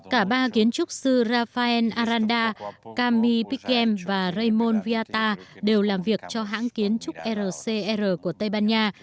cả ba kiến trúc sư rafael aranda camille piquem và raymond viata đều làm việc cho hãng kiến trúc rcr của tây ban nha